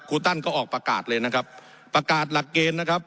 ตันก็ออกประกาศเลยนะครับประกาศหลักเกณฑ์นะครับ